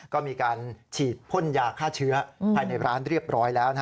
ก็มีการฉีดพ่นยาฆ่าเชื้อภายในร้านเรียบร้อยแล้ว